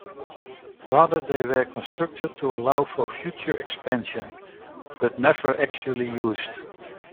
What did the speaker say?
Rather they were constructed to allow for future expansion, but never actually used.